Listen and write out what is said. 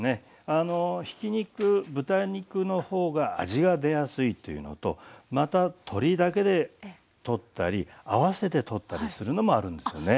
あのひき肉豚肉の方が味が出やすいっていうのとまた鶏だけでとったり合わせてとったりするのもあるんですよね。